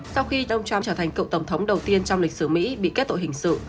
sau khi ông trump trở thành cựu tổng thống đầu tiên trong lịch sử mỹ bị kết tội hình sự